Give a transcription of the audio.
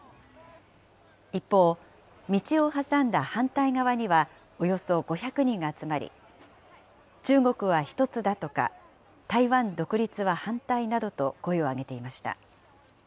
一方、道を挟んだ反対側には、およそ５００人が集まり、中国は１つだとか、台湾独立は反対などと声を上げていました。